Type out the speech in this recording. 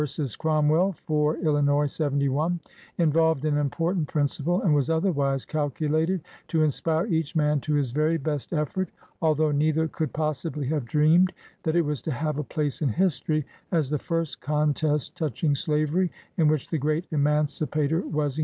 Cromwell, 4 Ills., 71) involved an important principle, and was otherwise calculated to inspire each man to his very best effort, although neither could possibly have dreamed that it was to have a place in history as the first contest touching slavery in which the great Emancipator was engaged.